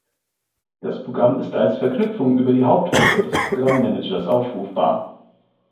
Das Programm ist als Verknüpfung über die Hauptgruppe des Programm-Managers aufrufbar.